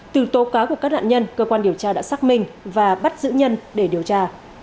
từ tố cáo của các nạn nhân cơ quan điều tra đã xác minh và bắt giữ nhân để điều tra